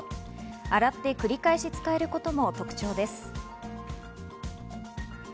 洗って繰り返し使えることも特徴です。